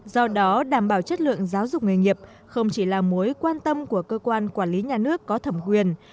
do đó đảm bảo chất lượng giáo dục nghề nghiệp không chỉ là mối quan tâm của cơ quan quản lý nhà nước có thẩm quyền